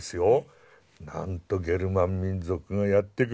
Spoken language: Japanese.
なんとゲルマン民族がやって来るんですよ。